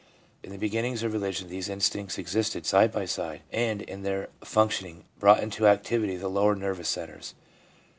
In the beginnings of religion these instincts existed side by side, and, in their functioning, brought into activity the lower nervous centres.